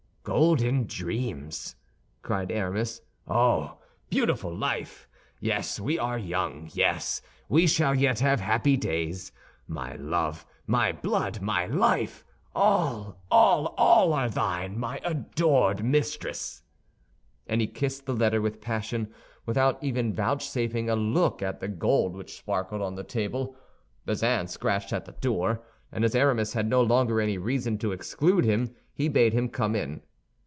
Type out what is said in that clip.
"Golden dreams!" cried Aramis. "Oh, beautiful life! Yes, we are young; yes, we shall yet have happy days! My love, my blood, my life! all, all, all, are thine, my adored mistress!" And he kissed the letter with passion, without even vouchsafing a look at the gold which sparkled on the table. Bazin scratched at the door, and as Aramis had no longer any reason to exclude him, he bade him come in.